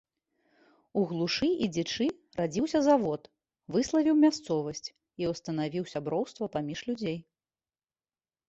У глушы і дзічы радзіўся завод, выславіў мясцовасць і ўстанавіў сяброўства паміж людзей.